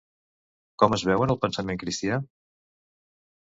Com es veu en el pensament cristià?